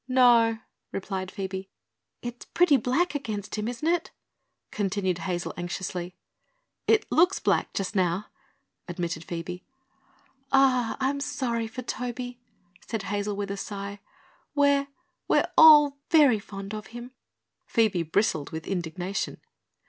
"No," replied Phoebe. "It's pretty black against him, isn't it?" continued Hazel anxiously. "It looks black, just now," admitted Phoebe. "I I'm sorry for Toby," said Hazel, with a sigh. "We we're all very fond of him." Phoebe bristled with indignation.